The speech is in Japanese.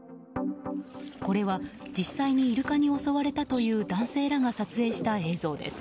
これは実際にイルカに襲われたという男性らが撮影した映像です。